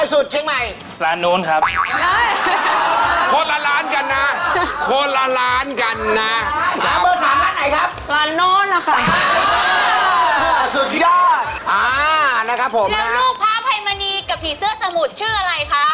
สุดยอดนะครับผมนะครับแล้วลูกพระไพมณีกับผีเสื้อสมุทรชื่ออะไรคะ